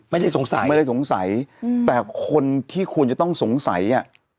ไม่ได้สงสัยไม่ได้สงสัยอืมแต่คนที่ควรจะต้องสงสัยอ่ะ